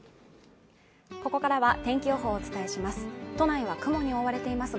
ここからは天気予報をお伝えします